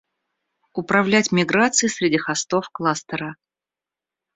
Управлять миграцией среди хостов кластера